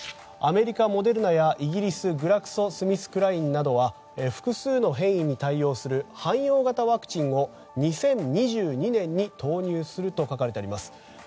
アメリカのモデルナやイギリスのグラクソ・スミスクラインなどは複数の変異に対応する汎用型ワクチンを２０２２年に投入すると書かれてあります。